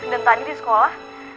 dan tadi di sekolah